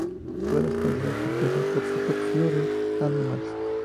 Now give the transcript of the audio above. Todas las canciones compuestas por Super Furry Animals.